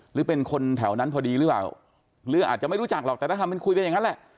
หรือเป็นคนแถวนั้นพอดีหรือเปล่าหรืออาจจะไม่รู้จักหรอกแต่ถ้าทำเป็นคุยไปอย่างนั้นแหละ